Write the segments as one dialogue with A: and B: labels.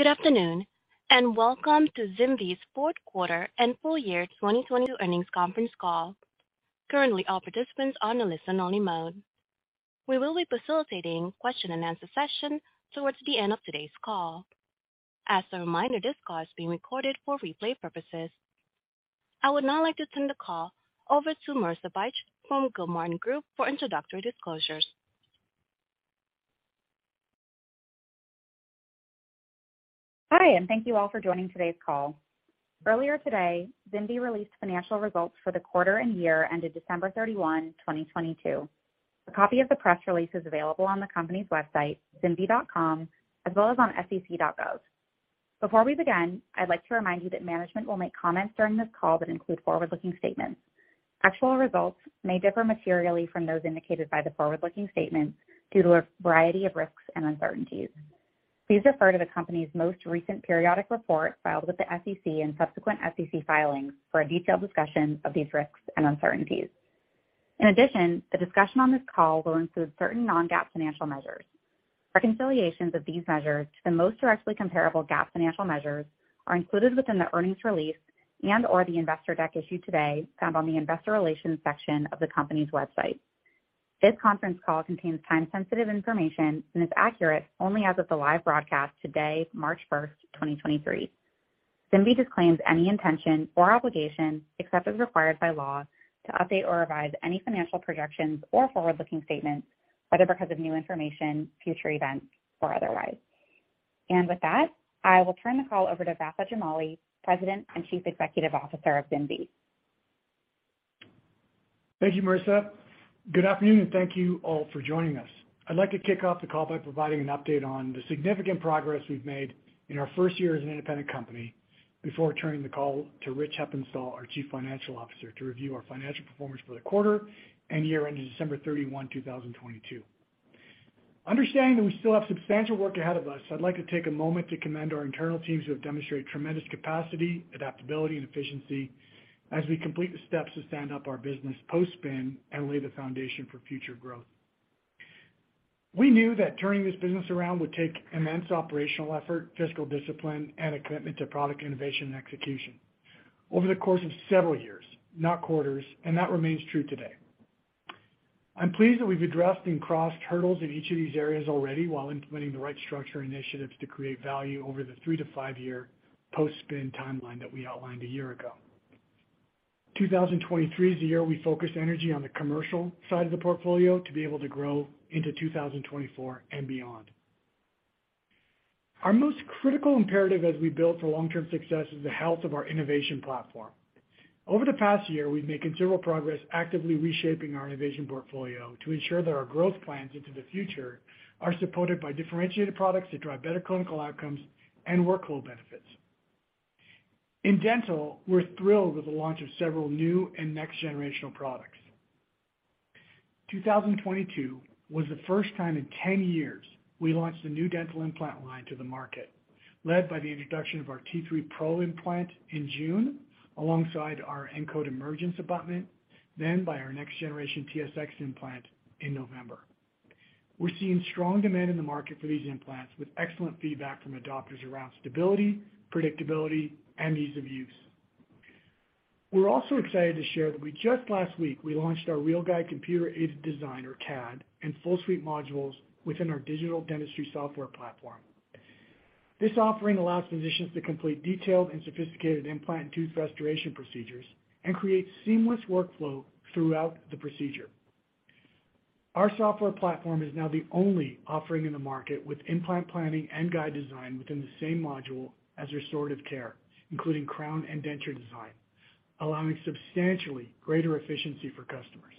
A: Good afternoon and welcome to ZimVie's fourth quarter and full year 2022 earnings conference call. Currently all participants are on a listen only mode. We will be facilitating question and answer session towards the end of today's call. As a reminder, this call is being recorded for replay purposes. I would now like to turn the call over to Marissa Bych from Gilmartin Group for introductory disclosures.
B: Hi, thank you all for joining today's call. Earlier today, ZimVie released financial results for the quarter and year ended December 31, 2022. A copy of the press release is available on the company's website, zimvie.com, as well as on sec.gov. Before we begin, I'd like to remind you that management will make comments during this call that include forward-looking statements. Actual results may differ materially from those indicated by the forward-looking statements due to a variety of risks and uncertainties. Please refer to the company's most recent periodic report filed with the SEC and subsequent SEC filings for a detailed discussion of these risks and uncertainties. The discussion on this call will include certain non-GAAP financial measures. Reconciliations of these measures to the most directly comparable GAAP financial measures are included within the earnings release and/or the investor deck issued today found on the Investor Relations section of the company's website. This conference call contains time-sensitive information and is accurate only as of the live broadcast today, March 1st, 2023. ZimVie disclaims any intention or obligation, except as required by law, to update or revise any financial projections or forward-looking statements, whether because of new information, future events or otherwise. With that, I will turn the call over to Vafa Jamali, President and Chief Executive Officer of ZimVie.
C: Thank you, Marissa. Good afternoon and thank you all for joining us. I'd like to kick off the call by providing an update on the significant progress we've made in our first year as an independent company before turning the call to Rich Heppenstall, our Chief Financial Officer, to review our financial performance for the quarter and year ended December 31, 2022. Understanding that we still have substantial work ahead of us, I'd like to take a moment to commend our internal teams who have demonstrated tremendous capacity, adaptability and efficiency as we complete the steps to stand up our business post-spin and lay the foundation for future growth. We knew that turning this business around would take immense operational effort, fiscal discipline and a commitment to product innovation and execution over the course of several years, not quarters, and that remains true today. I'm pleased that we've addressed and crossed hurdles in each of these areas already while implementing the right structure initiatives to create value over the three to five-year post-spin timeline that we outlined a year ago. 2023 is the year we focus energy on the commercial side of the portfolio to be able to grow into 2024 and beyond. Our most critical imperative as we build for long-term success is the health of our innovation platform. Over the past year, we've made considerable progress actively reshaping our innovation portfolio to ensure that our growth plans into the future are supported by differentiated products that drive better clinical outcomes and workload benefits. In Dental, we're thrilled with the launch of several new and next-generational products. 2022 was the first time in 10 years we launched a new dental implant line to the market, led by the introduction of our T3 PRO implant in June alongside our Encode Emergence abutment, then by our next generation TSX implant in November. We're seeing strong demand in the market for these implants with excellent feedback from adopters around stability, predictability, and ease of use. We're also excited to share that we just last week launched our RealGUIDE computer-aided design or CAD and full suite modules within our digital dentistry software platform. This offering allows physicians to complete detailed and sophisticated implant and tooth restoration procedures and creates seamless workflow throughout the procedure. Our software platform is now the only offering in the market with implant planning and guide design within the same module as restorative care, including crown and denture design, allowing substantially greater efficiency for customers.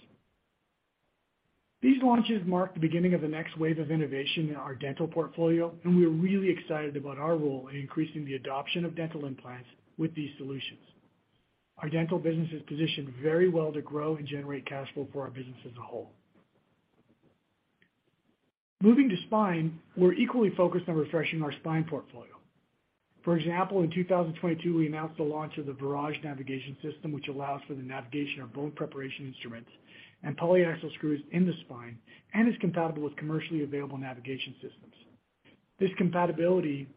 C: These launches mark the beginning of the next wave of innovation in our Dental portfolio. We are really excited about our role in increasing the adoption of dental implants with these solutions. Our Dental business is positioned very well to grow and generate cash flow for our business as a whole. Moving to Spine, we're equally focused on refreshing our Spine portfolio. For example, in 2022 we announced the launch of the Virage Navigation System, which allows for the navigation of bone preparation instruments and polyaxial screws in the spine and is compatible with commercially available navigation systems. This compatibility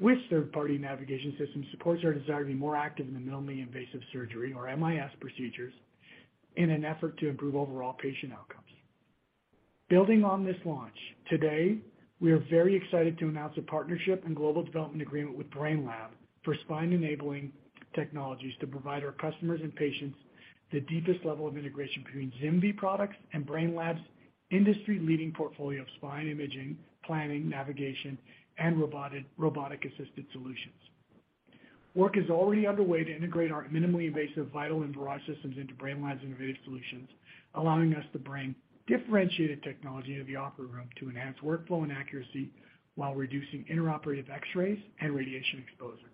C: with third-party navigation systems supports our desire to be more active in the minimally invasive surgery or MIS procedures in an effort to improve overall patient outcomes. Building on this launch, today we are very excited to announce a partnership and global development agreement with Brainlab for spine enabling technologies to provide our customers and patients the deepest level of integration between ZimVie products and Brainlab's industry-leading portfolio of spine imaging, planning, navigation and robotic assisted solutions. Work is already underway to integrate our minimally invasive Vital and Virage systems into Brainlab's innovative solutions, allowing us to bring differentiated technology into the operating room to enhance workflow and accuracy while reducing intraoperative X-rays and radiation exposure.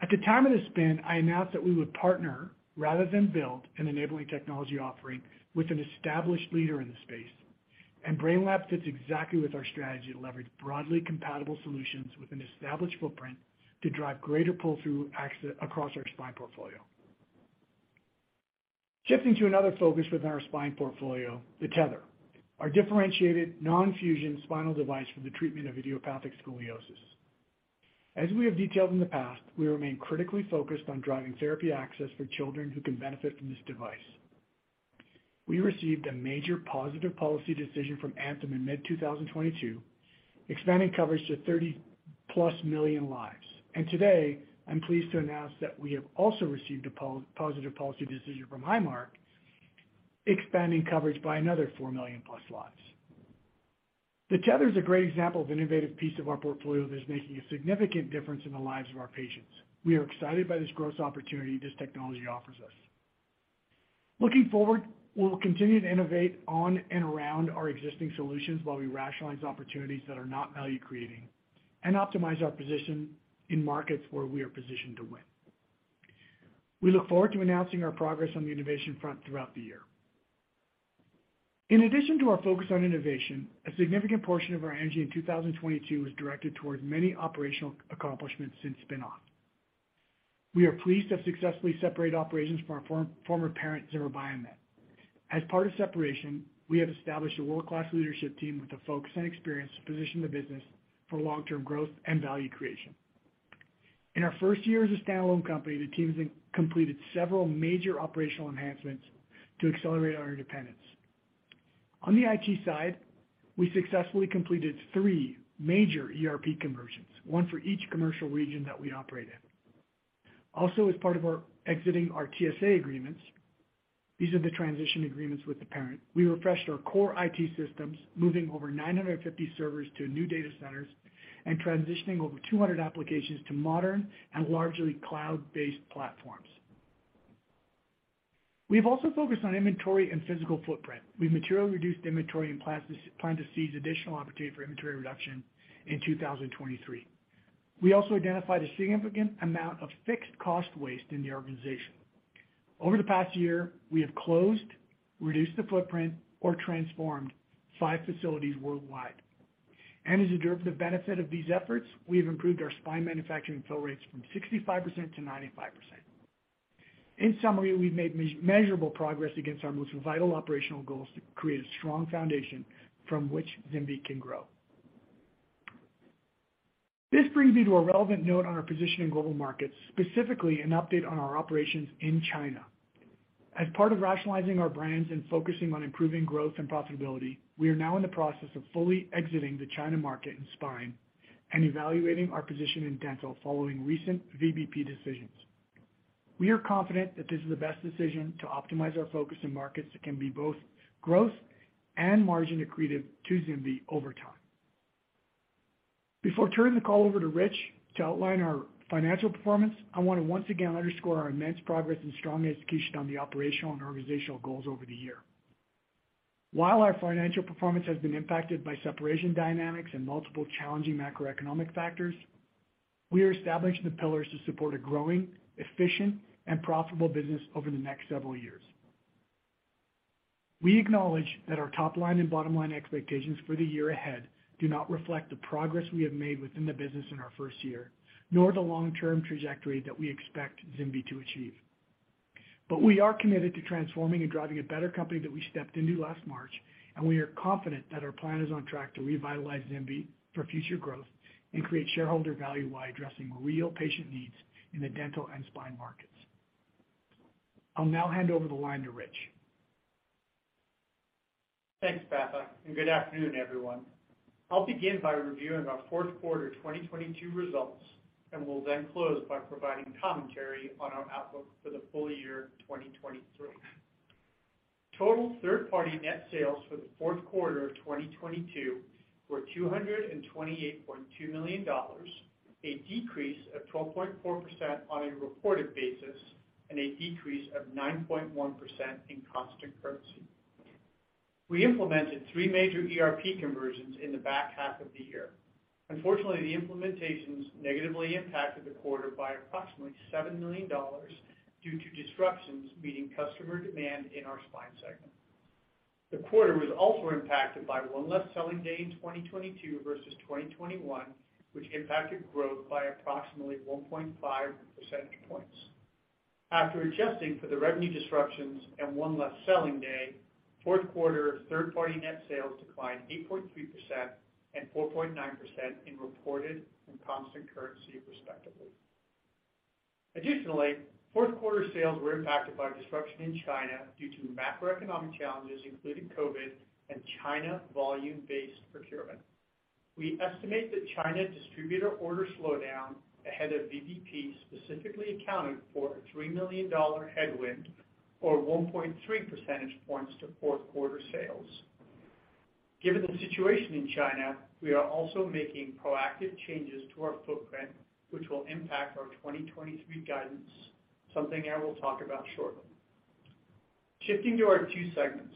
C: At the time of the spin, I announced that we would partner rather than build an enabling technology offering with an established leader in the space. Brainlab fits exactly with our strategy to leverage broadly compatible solutions with an established footprint to drive greater pull-through across our Spine portfolio. Shifting to another focus within our Spine portfolio, The Tether, our differentiated non-fusion spinal device for the treatment of idiopathic scoliosis. As we have detailed in the past, we remain critically focused on driving therapy access for children who can benefit from this device. We received a major positive policy decision from Anthem in mid 2022, expanding coverage to 30+ million lives. Today, I'm pleased to announce that we have also received a positive policy decision from Highmark, expanding coverage by another 4+ million lives. The Tether is a great example of an innovative piece of our portfolio that is making a significant difference in the lives of our patients. We are excited by this growth opportunity this technology offers us. Looking forward, we will continue to innovate on and around our existing solutions while we rationalize opportunities that are not value-creating and optimize our position in markets where we are positioned to win. We look forward to announcing our progress on the innovation front throughout the year. In addition to our focus on innovation, a significant portion of our energy in 2022 was directed towards many operational accomplishments since spin-off. We are pleased to have successfully separated operations from our former parent, Zimmer Biomet. As part of separation, we have established a world-class leadership team with the focus and experience to position the business for long-term growth and value creation. In our first year as a standalone company, the team has completed several major operational enhancements to accelerate our independence. On the IT side, we successfully completed three major ERP conversions, one for each commercial region that we operate in. As part of our exiting our TSA agreements, these are the transition agreements with the parent, we refreshed our core IT systems, moving over 950 servers to new data centers and transitioning over 200 applications to modern and largely cloud-based platforms. We've also focused on inventory and physical footprint. We've materially reduced inventory and plan to seize additional opportunity for inventory reduction in 2023. We also identified a significant amount of fixed cost waste in the organization. Over the past year, we have closed, reduced the footprint, or transformed five facilities worldwide. As a derivative benefit of these efforts, we have improved our spine manufacturing fill rates from 65% to 95%. In summary, we've made measurable progress against our most vital operational goals to create a strong foundation from which ZimVie can grow. This brings me to a relevant note on our position in global markets, specifically an update on our operations in China. As part of rationalizing our brands and focusing on improving growth and profitability, we are now in the process of fully exiting the China market in spine and evaluating our position in dental following recent VBP decisions. We are confident that this is the best decision to optimize our focus in markets that can be both growth and margin accretive to ZimVie over time. Before turning the call over to Rich to outline our financial performance, I want to once again underscore our immense progress and strong execution on the operational and organizational goals over the year. While our financial performance has been impacted by separation dynamics and multiple challenging macroeconomic factors, we are establishing the pillars to support a growing, efficient, and profitable business over the next several years. We acknowledge that our top-line and bottom-line expectations for the year ahead do not reflect the progress we have made within the business in our first year, nor the long-term trajectory that we expect ZimVie to achieve. We are committed to transforming and driving a better company than we stepped into last March, and we are confident that our plan is on track to revitalize ZimVie for future growth and create shareholder value while addressing real patient needs in the dental and spine markets. I'll now hand over the line to Rich.
D: Thanks, Vafa. Good afternoon, everyone. I'll begin by reviewing our fourth quarter 2022 results, and will then close by providing commentary on our outlook for the full year 2023. Total third-party net sales for the fourth quarter of 2022 were $228.2 million, a decrease of 12.4% on a reported basis and a decrease of 9.1% in constant currency. We implemented three major ERP conversions in the back half of the year. Unfortunately, the implementations negatively impacted the quarter by approximately $7 million due to disruptions meeting customer demand in our Spine segment. The quarter was also impacted by one less selling day in 2022 versus 2021, which impacted growth by approximately 1.5 percentage points. After adjusting for the revenue disruptions and one less selling day, fourth quarter third-party net sales declined 8.3% and 4.9% in reported and constant currency, respectively. Additionally, fourth quarter sales were impacted by disruption in China due to macroeconomic challenges, including COVID and China volume-based procurement. We estimate that China distributor order slowdown ahead of VBP specifically accounted for a $3 million headwind or 1.3 percentage points to fourth quarter sales. Given the situation in China, we are also making proactive changes to our footprint, which will impact our 2023 guidance, something I will talk about shortly. Shifting to our two segments.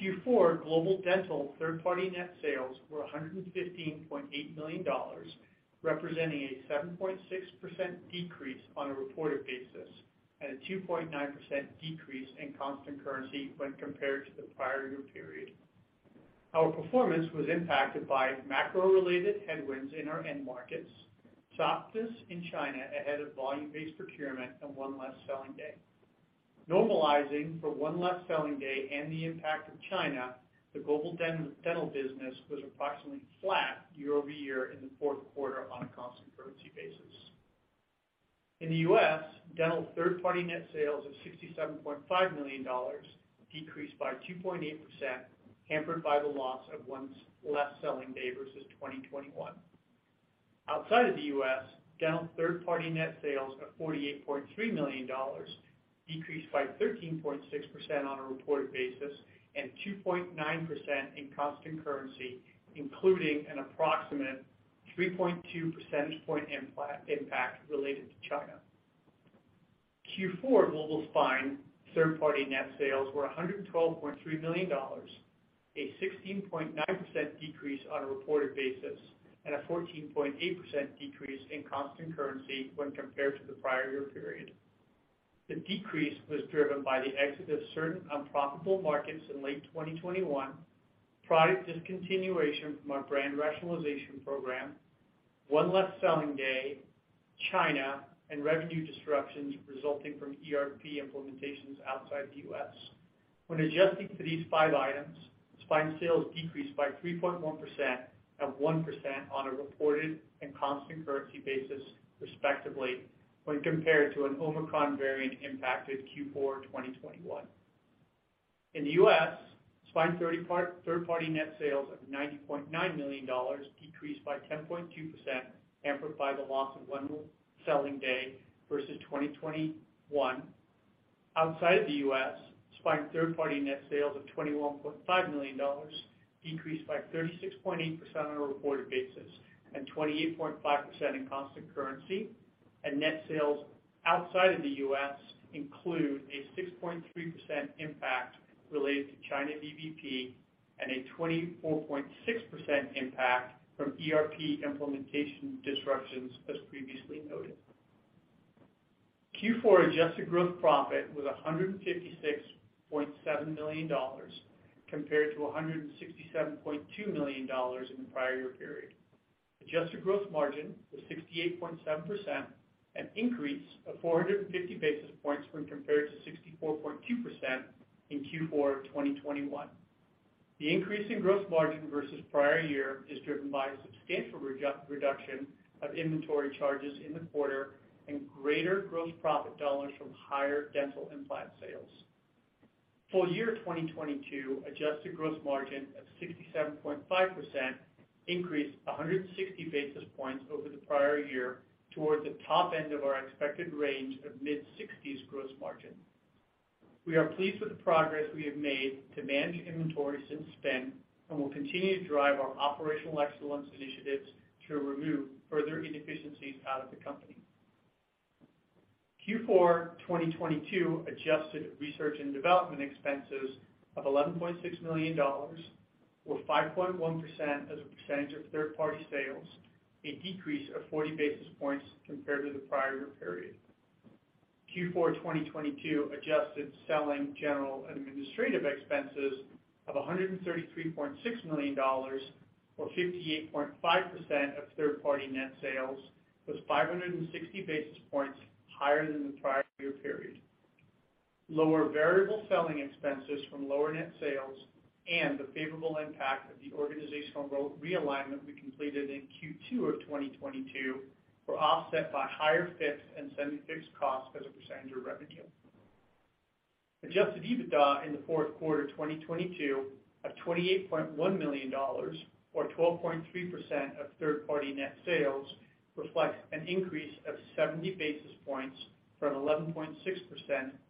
D: Q4 Global Dental third-party net sales were $115.8 million, representing a 7.6% decrease on a reported basis, and a 2.9% decrease in constant currency when compared to the prior year period. Our performance was impacted by macro-related headwinds in our end markets, softness in China ahead of volume-based procurement and one less selling day. Normalizing for one less selling day and the impact of China, the Global Dental business was approximately flat year-over-year in the fourth quarter on a constant currency basis. In the U.S., Dental third-party net sales of $67.5 million decreased by 2.8%, hampered by the loss of one less selling day versus 2021. Outside of the U.S., Dental third-party net sales of $48.3 million decreased by 13.6% on a reported basis and 2.9% in constant currency, including an approximate 3.2 percentage point impact related to China. Q4 global Spine third-party net sales were $112.3 million, a 16.9% decrease on a reported basis and a 14.8% decrease in constant currency when compared to the prior year period. The decrease was driven by the exit of certain unprofitable markets in late 2021, product discontinuation from our brand rationalization program, one less selling day, China, and revenue disruptions resulting from ERP implementations outside the U.S. When adjusting for these five items, Spine sales decreased by 3.1% and 1% on a reported and constant currency basis, respectively, when compared to an Omicron variant impacted Q4 2021. In the U.S., Spine third-party net sales of $90.9 million decreased by 10.2%, hampered by the loss of one less selling day versus 2021. Outside the U.S., Spine third-party net sales of $21.5 million decreased by 36.8% on a reported basis and 28.5% in constant currency. Net sales outside of the U.S. include a 6.3% impact related to China VBP and a 24.6% impact from ERP implementation disruptions, as previously noted. Q4 adjusted gross profit was $156.7 million compared to $167.2 million in the prior year period. Adjusted gross margin was 68.7%, an increase of 450 basis points when compared to 64.2% in Q4 2021. The increase in gross margin versus prior year is driven by a substantial reduction of inventory charges in the quarter and greater gross profit dollars from higher dental implant sales. Full year 2022 adjusted gross margin of 67.5% increased 160 basis points over the prior year towards the top end of our expected range of mid-60s gross margin. We are pleased with the progress we have made to manage inventory since then, we'll continue to drive our operational excellence initiatives to remove further inefficiencies out of the company. Q4 2022 adjusted research and development expenses of $11.6 million were 5.1% as a percentage of third-party sales, a decrease of 40 basis points compared to the prior year period. Q4 2022 adjusted selling, general and administrative expenses of $133.6 million or 58.5% of third-party net sales was 560 basis points higher than the prior year period. Lower variable selling expenses from lower net sales and the favorable impact of the organizational realignment we completed in Q2 2022 were offset by higher fixed and semi-fixed costs as a percentage of revenue. Adjusted EBITDA in the fourth quarter 2022 of $28.1 million or 12.3% of third-party net sales reflects an increase of 70 basis points from 11.6%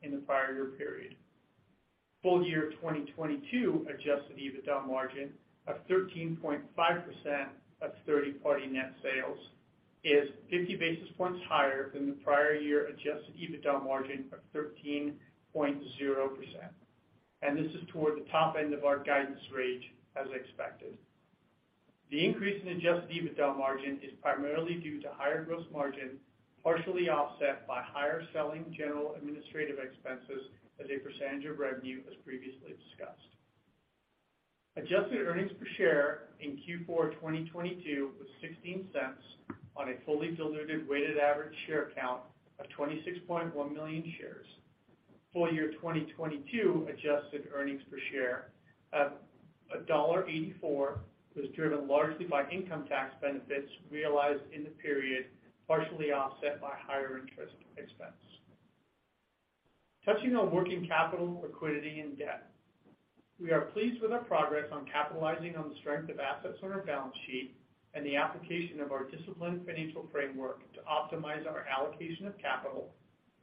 D: in the prior year period. Full year 2022 adjusted EBITDA margin of 13.5% of third-party net sales is 50 basis points higher than the prior year adjusted EBITDA margin of 13.0%. This is toward the top end of our guidance range as expected. The increase in adjusted EBITDA margin is primarily due to higher gross margin, partially offset by higher selling general administrative expenses as a percentage of revenue, as previously discussed. Adjusted earnings per share in Q4 2022 was $0.16 on a fully diluted weighted average share count of 26.1 million shares. Full year 2022 adjusted earnings per share of $1.84 was driven largely by income tax benefits realized in the period, partially offset by higher interest expense. Touching on working capital, liquidity and debt. We are pleased with our progress on capitalizing on the strength of assets on our balance sheet and the application of our disciplined financial framework to optimize our allocation of capital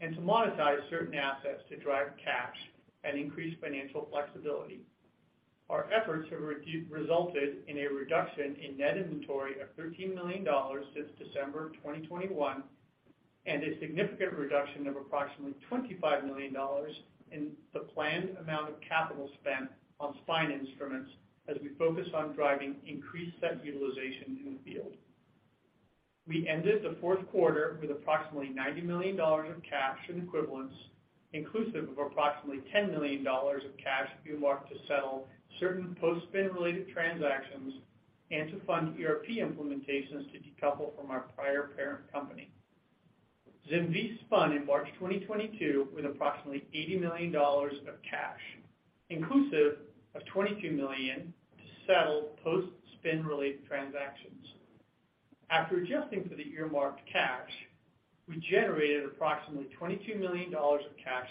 D: and to monetize certain assets to drive cash and increase financial flexibility. Our efforts have resulted in a reduction in net inventory of $13 million since December 2021 and a significant reduction of approximately $25 million in the planned amount of capital spent on spine instruments as we focus on driving increased set utilization in the field. We ended the fourth quarter with approximately $90 million of cash and equivalents, inclusive of approximately $10 million of cash earmarked to settle certain post-spin related transactions and to fund ERP implementations to decouple from our prior parent company. ZimVie spun in March 2022 with approximately $80 million of cash, inclusive of $22 million to settle post-spin related transactions. After adjusting for the earmarked cash, we generated approximately $22 million of cash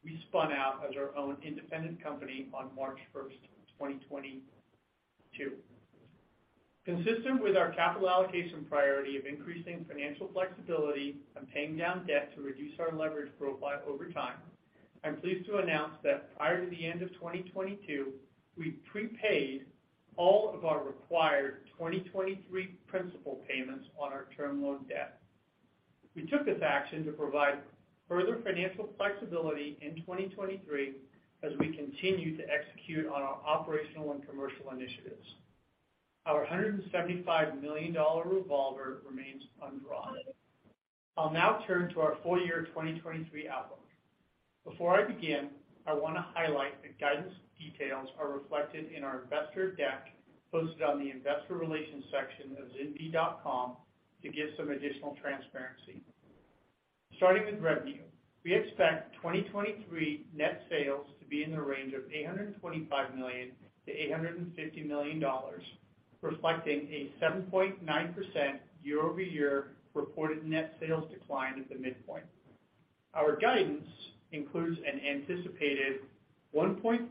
D: since we spun out as our own independent company on March 1st, 2022. Consistent with our capital allocation priority of increasing financial flexibility and paying down debt to reduce our leverage profile over time, I'm pleased to announce that prior to the end of 2022, we prepaid all of our required 2023 principal payments on our term loan debt. We took this action to provide further financial flexibility in 2023 as we continue to execute on our operational and commercial initiatives. Our $175 million revolver remains undrawn. I'll now turn to our full year 2023 outlook. Before I begin, I wanna highlight that guidance details are reflected in our investor deck posted on the Investor Relations section of zimvie.com to give some additional transparency. Starting with revenue, we expect 2023 net sales to be in the range of $825 million-$850 million, reflecting a 7.9% year-over-year reported net sales decline at the midpoint. Our guidance includes an anticipated 1.4%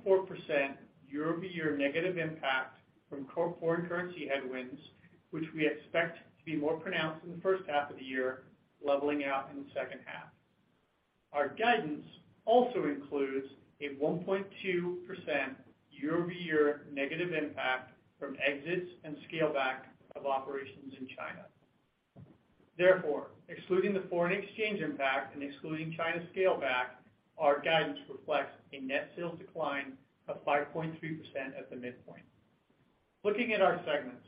D: year-over-year negative impact from foreign currency headwinds, which we expect to be more pronounced in the first half of the year, leveling out in the second half. Our guidance also includes a 1.2% year-over-year negative impact from exits and scale back of operations in China. Therefore, excluding the foreign exchange impact and excluding China scale back, our guidance reflects a net sales decline of 5.3% at the midpoint. Looking at our segments,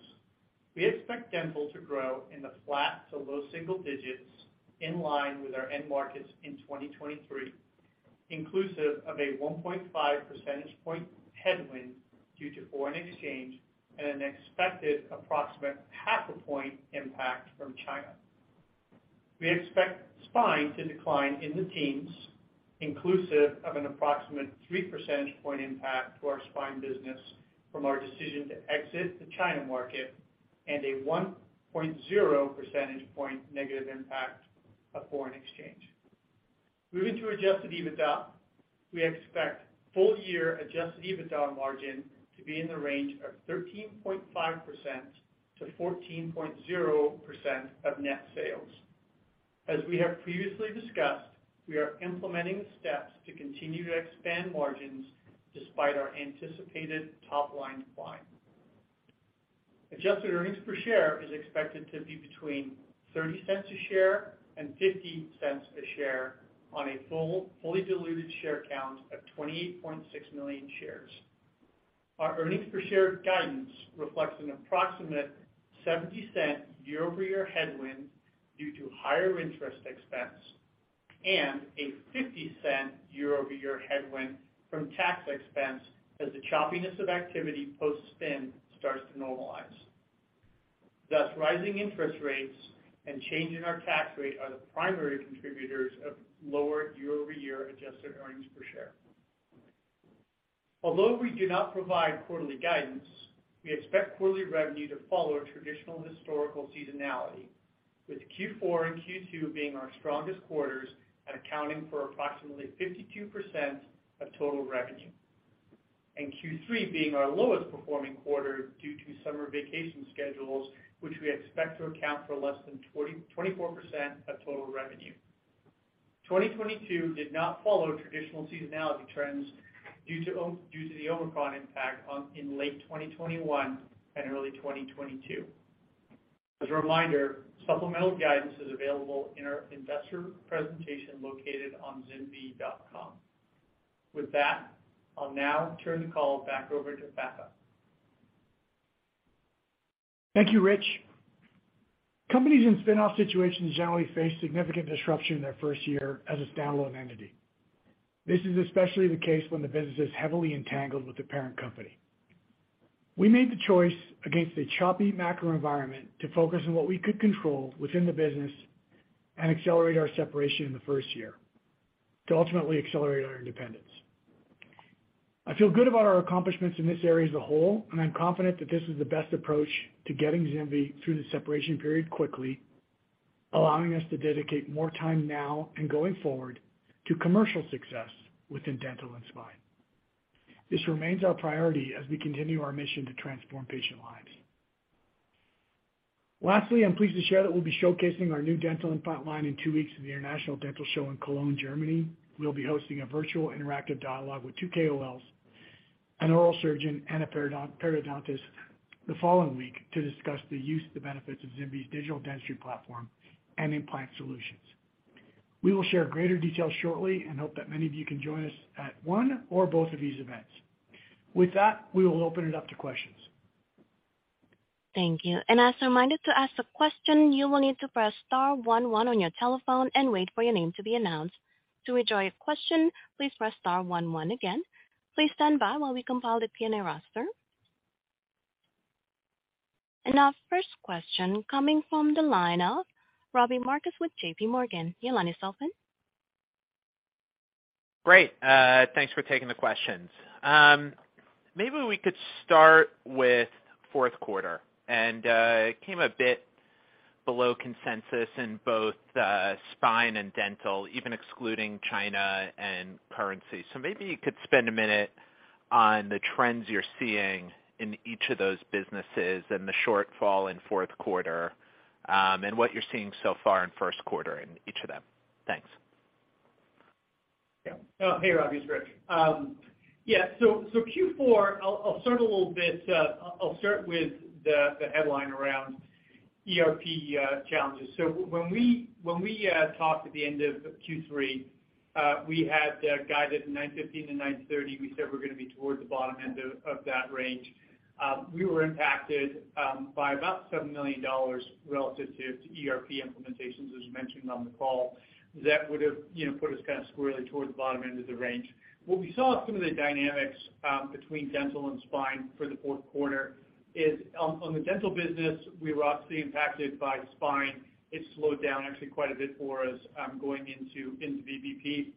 D: we expect Dental to grow in the flat to low single digits in line with our end markets in 2023, inclusive of a 1.5 percentage point headwind due to foreign exchange and an expected approximate 0.5 point impact from China. We expect Spine to decline in the teens, inclusive of an approximate 3 percentage point impact to our Spine business from our decision to exit the China market and a 1.0 percentage point negative impact of foreign exchange. Moving to adjusted EBITDA, we expect full year adjusted EBITDA margin to be in the range of 13.5%-14.0% of net sales. As we have previously discussed, we are implementing steps to continue to expand margins despite our anticipated top line decline. Adjusted earnings per share is expected to be between $0.30 a share and $0.50 a share on a fully diluted share count of 28.6 million shares. Our earnings per share guidance reflects an approximate $0.70 year-over-year headwind due to higher interest expense and a $0.50 year-over-year headwind from tax expense as the choppiness of activity post-spin starts to normalize. Rising interest rates and change in our tax rate are the primary contributors of lower year-over-year adjusted earnings per share. Although we do not provide quarterly guidance, we expect quarterly revenue to follow traditional historical seasonality with Q4 and Q2 being our strongest quarters and accounting for approximately 52% of total revenue, and Q3 being our lowest performing quarter due to summer vacation schedules, which we expect to account for less than 24% of total revenue. 2022 did not follow traditional seasonality trends due to the Omicron impact in late 2021 and early 2022. As a reminder, supplemental guidance is available in our Investor Presentation located on zimvie.com. With that, I'll now turn the call back over to Vafa.
C: Thank you, Rich. Companies in spin-off situations generally face significant disruption in their first year as a standalone entity. This is especially the case when the business is heavily entangled with the parent company. We made the choice against a choppy macro environment to focus on what we could control within the business and accelerate our separation in the first year to ultimately accelerate our independence. I feel good about our accomplishments in this area as a whole, and I'm confident that this is the best approach to getting ZimVie through the separation period quickly, allowing us to dedicate more time now and going forward to commercial success within Dental and Spine. This remains our priority as we continue our mission to transform patient lives. I'm pleased to share that we'll be showcasing our new dental implant line in two weeks at the International Dental Show in Cologne, Germany. We'll be hosting a virtual interactive dialogue with two KOLs, an oral surgeon, and a periodontist the following week to discuss the use and the benefits of ZimVie's digital dentistry platform and implant solutions. We will share greater detail shortly and hope that many of you can join us at one or both of these events. With that, we will open it up to questions.
A: Thank you. As a reminder to ask a question, you will need to press star one one on your telephone and wait for your name to be announced. To withdraw your question, please press star one one again. Please stand by while we compile the Q&A roster. Our first question coming from the line of Robbie Marcus with JPMorgan. Your line is open.
E: Great. Thanks for taking the questions. Maybe we could start with fourth quarter, and it came a bit below consensus in both Spine and Dental, even excluding China and currency. Maybe you could spend a minute on the trends you're seeing in each of those businesses and the shortfall in fourth quarter, and what you're seeing so far in first quarter in each of them. Thanks.
D: Yeah. Hey, Robbie, it's Rich. Yeah. Q4, I'll start a little bit, I'll start with the headline around ERP challenges. When we talked at the end of Q3, we had guided $915 million-$930 million. We said we're gonna be towards the bottom end of that range. We were impacted by about $7 million relative to ERP implementations, as you mentioned on the call. That would have, you know, put us kind of squarely towards the bottom end of the range. What we saw some of the dynamics between Dental and Spine for the fourth quarter is on the Dental business, we were obviously impacted by Spine. It slowed down actually quite a bit for us, going into VBP.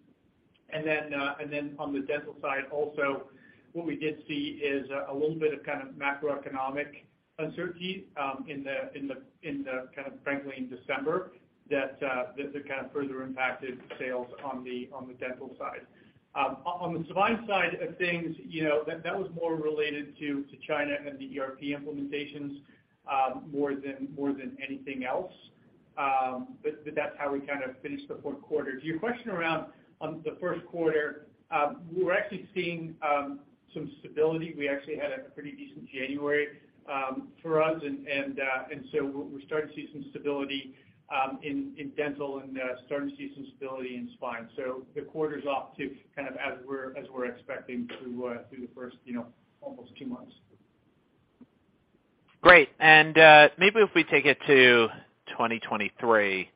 D: On the Dental side also, what we did see is a little bit of kind of macroeconomic uncertainty in the kind of frankly in December that kind of further impacted sales on the Dental side. On the Spine side of things, you know, that was more related to China and the ERP implementations more than anything else. That's how we kind of finished the fourth quarter. To your question around on the first quarter, we're actually seeing some stability. We actually had a pretty decent January for us. We're starting to see some stability in Dental and starting to see some stability in Spine. The quarter's off to kind of as we're expecting through the first, you know, almost two months.
E: Great. Maybe if we take it to 2023,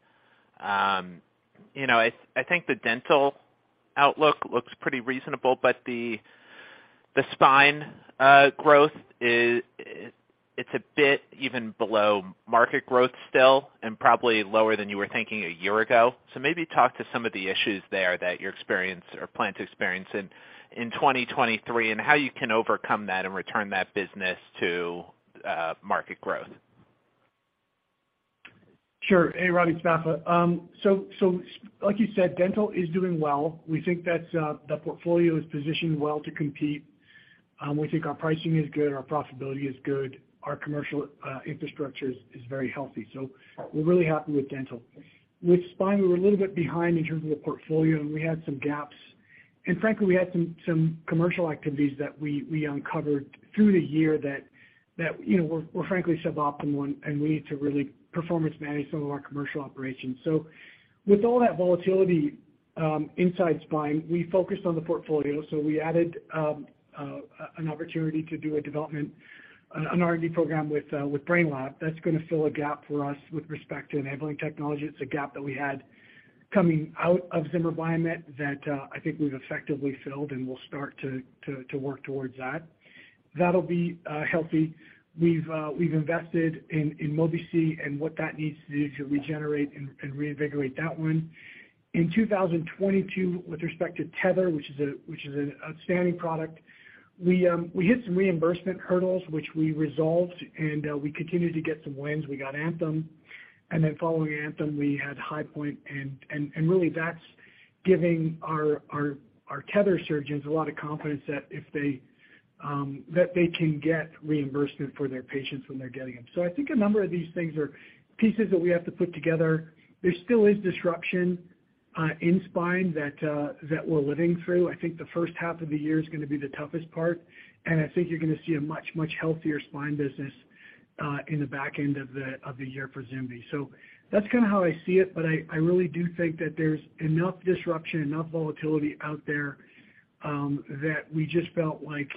E: you know, I think the Dental outlook looks pretty reasonable, but the Spine growth is it's a bit even below market growth still and probably lower than you were thinking a year ago. Maybe talk to some of the issues there that you're experience or plan to experience in 2023 and how you can overcome that and return that business to market growth.
C: Sure. Hey, Robbie, it's Vafa. Like you said, Dental is doing well. We think that the portfolio is positioned well to compete. We think our pricing is good, our profitability is good. Our commercial infrastructure is very healthy. We're really happy with Dental. With Spine, we're a little bit behind in terms of the portfolio, and we had some gaps. Frankly, we had some commercial activities that we uncovered through the year that, you know, were frankly suboptimal and we need to really performance manage some of our commercial operations. With all that volatility, inside spine, we focused on the portfolio. We added an opportunity to do a development, an R&D program with Brainlab. That's gonna fill a gap for us with respect to enabling technology. It's a gap that we had coming out of Zimmer Biomet that I think we've effectively filled, and we'll start to work towards that. That'll be healthy. We've invested in Mobi-C and what that needs to do to regenerate and reinvigorate that one. In 2022, with respect to Tether, which is an outstanding product, we hit some reimbursement hurdles, which we resolved, and we continued to get some wins. We got Anthem. Following Anthem, we had Highmark and really that's giving our Tether surgeons a lot of confidence that if they that they can get reimbursement for their patients when they're getting them. I think a number of these things are pieces that we have to put together. There still is disruption in spine that we're living through. I think the first half of the year is gonna be the toughest part, and I think you're gonna see a much, much healthier spine business in the back end of the year for Zimmer Biomet. That's kinda how I see it, but I really do think that there's enough disruption, enough volatility out there, that we just felt like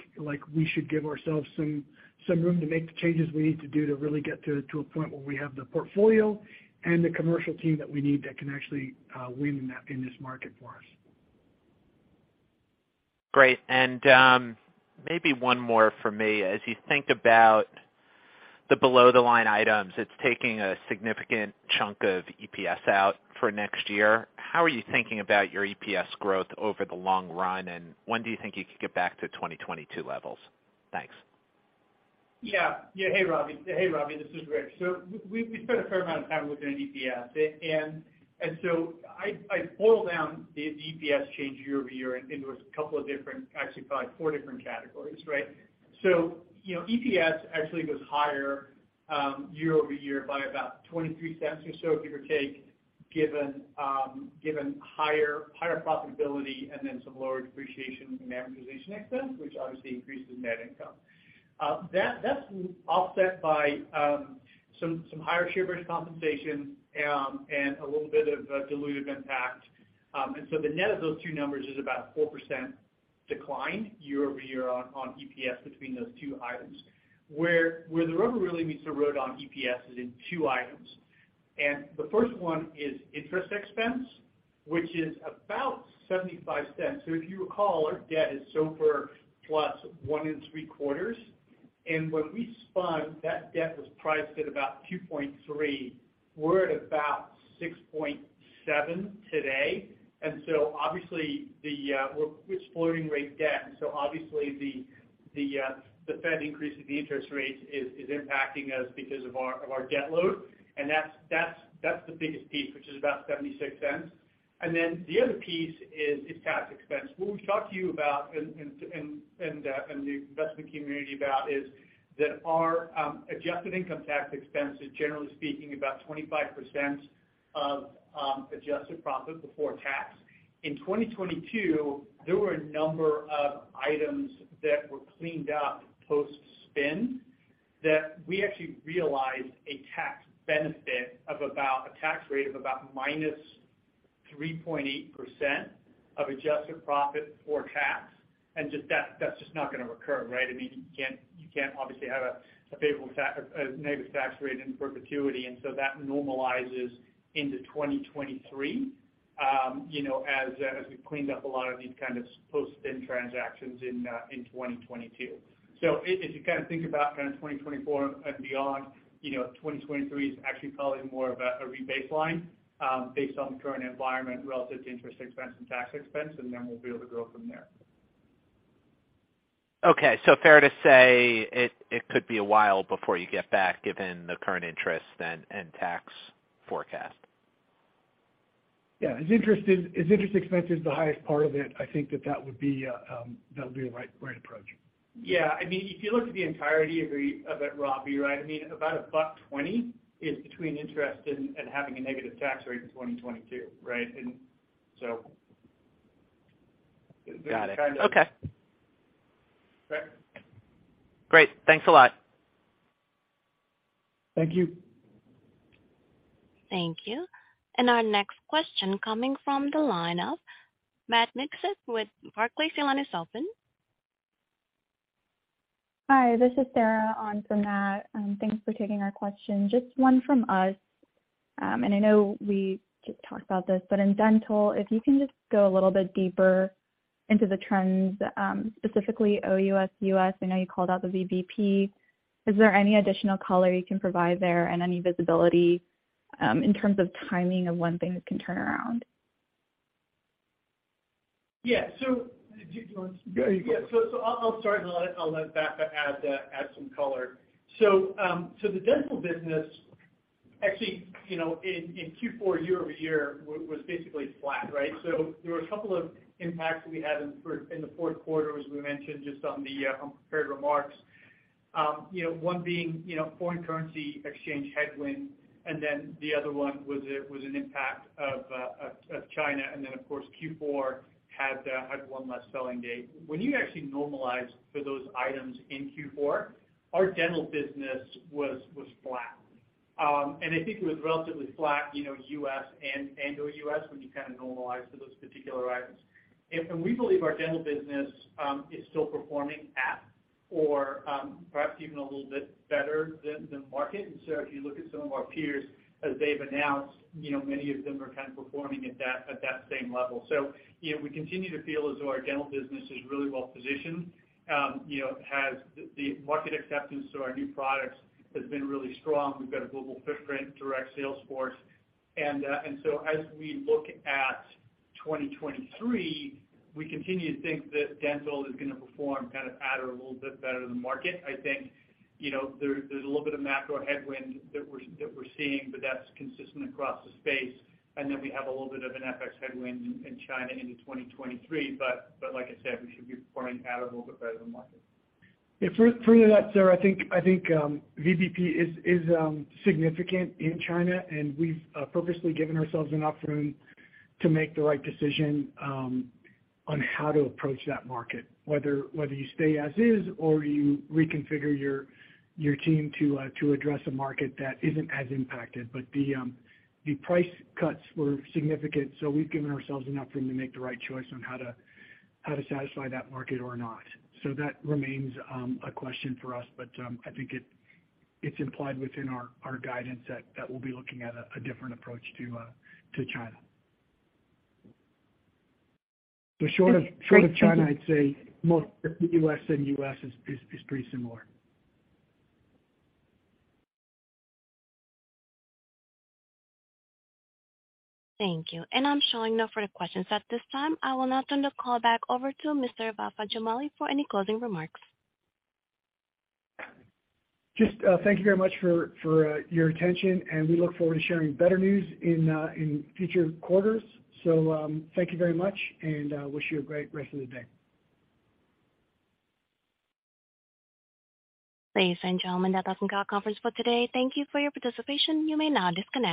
C: we should give ourselves some room to make the changes we need to do to really get to a point where we have the portfolio and the commercial team that we need that can actually win in this market for us.
E: Great. maybe one more from me. As you think about the below the line items, it's taking a significant chunk of EPS out for next year. How are you thinking about your EPS growth over the long run, and when do you think you could get back to 2022 levels? Thanks.
D: Yeah. Hey, Robbie. This is Rich. We spent a fair amount of time looking at EPS. I boil down the EPS change year-over-year into a couple of different, actually probably four different categories, right? You know, EPS actually goes higher year-over-year by about $0.23 or so, give or take, given higher profitability and then some lower depreciation and amortization expense, which obviously increases net income. That's offset by some higher share-based compensation and a little bit of a dilutive impact. The net of those two numbers is about 4% decline year-over-year on EPS between those two items. Where the rubber really meets the road on EPS is in two items. The first one is interest expense, which is about $0.75. If you recall, our debt is SOFR plus 1.75%. When we spun, that debt was priced at about 2.3%. We're at about 6.7% today. Obviously the It's floating rate debt, obviously the Fed increasing the interest rates is impacting us because of our debt load. That's the biggest piece, which is about $0.76. The other piece is tax expense. What we've talked to you about and the investment community about is that our adjusted income tax expense is generally speaking about 25% of adjusted profit before tax. In 2022, there were a number of items that were cleaned up post-spin that we actually realized a tax benefit of about a tax rate of about -3.8% of adjusted profit before tax. That's just not gonna recur, right? I mean, you can't obviously have a favorable negative tax rate in perpetuity. That normalizes into 2023, you know, as we cleaned up a lot of these kind of post-spin transactions in 2022. If you kind of think about kinda 2024 and beyond, you know, 2023 is actually probably more of a rebaseline based on current environment relative to interest expense and tax expense, then we'll be able to grow from there.
E: Okay. Fair to say it could be a while before you get back given the current interest and tax forecast.
C: Yeah. As interest expense is the highest part of it, I think that that would be the right approach.
D: Yeah. I mean, if you look at the entirety of it, Robbie, right? I mean, about $1.20 is between interest and having a negative tax rate in 2022, right?
E: Got it. Okay.
D: Right.
E: Great. Thanks a lot.
C: Thank you.
A: Thank you. Our next question coming from the line of Matt Miksic with Barclays. Your line is open.
F: Hi, this is Sarah on for Matt. Thanks for taking our question. Just one from us. I know we just talked about this. In Dental, if you can just go a little bit deeper into the trends, specifically OUS, U.S. I know you called out the VBP. Is there any additional color you can provide there and any visibility in terms of timing of when things can turn around?
D: Yeah. Do you want?
C: Go ahead.
D: I'll start, and I'll let Vafa add some color. The Dental business actually, you know, in Q4 year-over-year was basically flat, right? There were a couple of impacts we had in the fourth quarter, as we mentioned, just on the prepared remarks. You know, one being, you know, foreign currency exchange headwind, and then the other one was an impact of China. Of course Q4 had one less selling date. When you actually normalize for those items in Q4, our Dental business was flat. And I think it was relatively flat, you know, U.S. and OUS when you kinda normalize for those particular items. We believe our Dental business is still performing at or perhaps even a little bit better than market. If you look at some of our peers as they've announced, you know, many of them are kind of performing at that same level. You know, we continue to feel as though our Dental business is really well positioned. You know, the market acceptance to our new products has been really strong. We've got a global footprint, direct sales force. As we look at 2023, we continue to think that Dental is gonna perform kind of at or a little bit better than market. I think, you know, there's a little bit of macro headwind that we're seeing, but that's consistent across the space. Then we have a little bit of an FX headwind in China into 2023. Like I said, we should be performing at or a little bit better than market.
C: Yeah. Further to that, Sarah, I think, VBP is significant in China, and we've purposely given ourselves enough room to make the right decision on how to approach that market. Whether you stay as is or you reconfigure your team to address a market that isn't as impacted. The price cuts were significant, so we've given ourselves enough room to make the right choice on how to satisfy that market or not. That remains a question for us. I think it's implied within our guidance that we'll be looking at a different approach to China. But short of-
F: Thank you.
C: Short of China, I'd say most of the OUS and U.S. is pretty similar.
A: Thank you. I'm showing no further questions at this time. I will now turn the call back over to Mr. Vafa Jamali for any closing remarks.
C: Just, thank you very much for your attention, and we look forward to sharing better news in future quarters. Thank you very much, and wish you a great rest of the day.
A: Ladies and gentlemen, that does end our conference call today. Thank you for your participation. You may now disconnect.